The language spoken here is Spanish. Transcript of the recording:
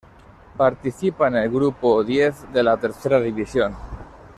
Participa en el "grupo X" de la Tercera División.